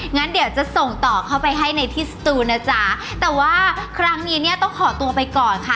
งั้นเดี๋ยวจะส่งต่อเข้าไปให้ในที่สตูนนะจ๊ะแต่ว่าครั้งนี้เนี่ยต้องขอตัวไปก่อนค่ะ